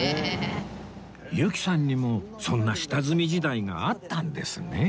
由紀さんにもそんな下積み時代があったんですね